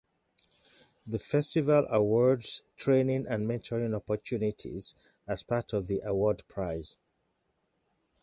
The festival awards training and mentoring opportunities as part of the award prize.